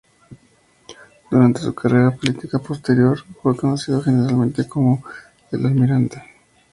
Durante su carrera política posterior, fue conocido generalmente como "el almirante".